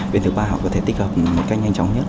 bên thứ ba họ có thể tích hợp một cách nhanh chóng nhất